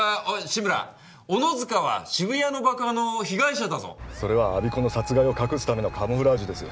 志村小野塚は渋谷の爆破の被害者だぞそれは我孫子の殺害を隠すためのカムフラージュです